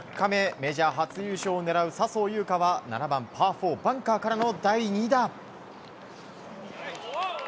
メジャー初優勝を狙う笹生優花は７番、パー４バンカーからの第２打。